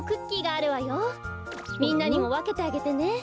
みんなにもわけてあげてね。